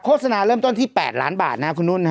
โศนาเริ่มต้นที่๘ล้านบาทนะครับคุณนุ่น